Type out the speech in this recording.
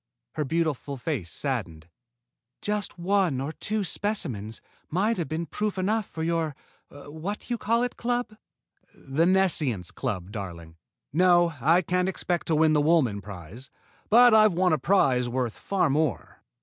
Her beautiful face saddened. "Just one or two specimens might have been proof enough for your What You Call It Club!" "The Nescience Club, darling. No, I can't expect to win the Woolman prize, but I've won a prize worth far more."